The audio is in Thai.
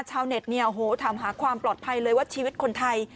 ชาวเน็ตเนี่ยโอ้โหถามหาความปลอดภัยเลยว่าชีวิตคนไทย